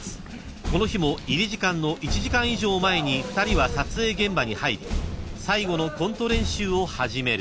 この日も入り時間の１時間以上前に２人は撮影現場に入り最後のコント練習を始める］